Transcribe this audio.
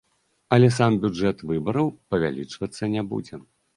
Але сам бюджэт выбараў павялічвацца не будзе.